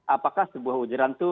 apakah sebuah ujaran itu